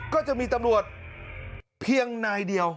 ก็จะมีตำรวจเพียงนายเดียว